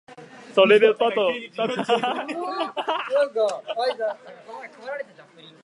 それで多と一との絶対矛盾的自己同一として、自己矛盾によって自己自身から動き行く世界は、いつも現在において自己矛盾的である。